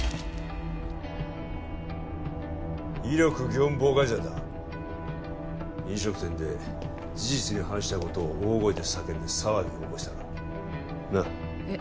威力業務妨害罪だ飲食店で事実に反したことを大声で叫んで騒ぎを起こしたらなっえっ？